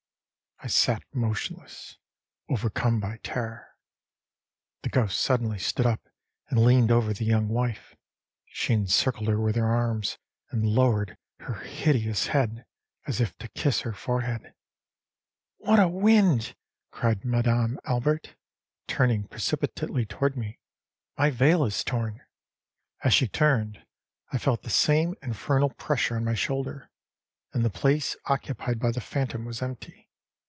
I sat motionless, overcome by terror. The ghost suddenly stood up and leaned over the young wife. She encircled her with her arms, and lowered her hideous head as if to kiss her forehead. âWhat a wind!â cried Madame Albert, turning precipitately toward me. âMy veil is torn.â As she turned I felt the same infernal pressure on my shoulder, and the place occupied by the phantom was empty.